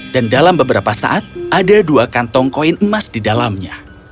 dan dalam beberapa saat ada dua kantong koin emas di dalamnya